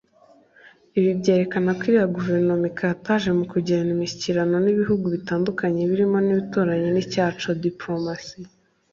Ibi byerekana ko iriya Guverinoma ikataje mu kugirana imishyikirano n’ibihugu bitandukanye birimo n’ibituranye n’icyacu (diplomacy)